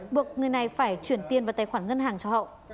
buộc người này phải chuyển tiền vào tài khoản ngân hàng cho hậu